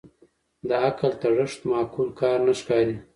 د عقل تړښت معقول کار نه ښکاري